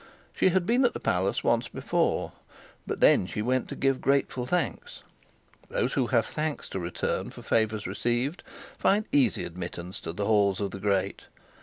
She had been at the palace once before, but then she went to give grateful thanks. Those who have thanks to return for favours received find easy admittance to the halls of the great.